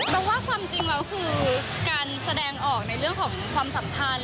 บอกว่าความจริงแล้วคือการแสดงออกในเรื่องของความสัมพันธ์